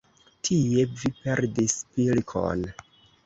Tie vi perdis pilkon.